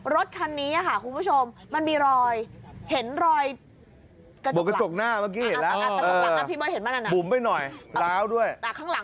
รถคันนี้ค่ะคุณผู้ชมมันมีรอยเห็นรอยกระจกหน้าเมื่อกี้